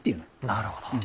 なるほど。